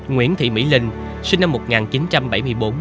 nguyễn thị mỹ linh sinh năm một nghìn chín trăm bảy mươi bốn